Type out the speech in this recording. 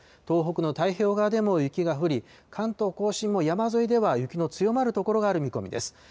東北の太平洋側でも雪が降り、関東甲信も山沿いでは雪の強まる所がある見込みです。